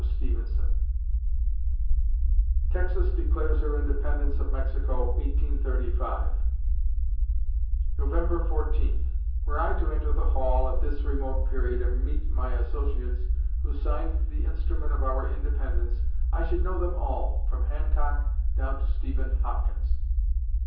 STEVENSON Texas declares her independence of Mexico, 1835 November Fourteenth Were I to enter the Hall, at this remote period, and meet my associates who signed the instrument of our independence, I should know them all, from Hancock down to Stephen Hopkins.